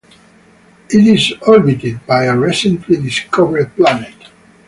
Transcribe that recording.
It is orbited by a recently discovered planet.